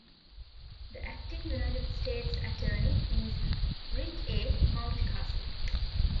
The Acting United States Attorney is Rick A. Mountcastle.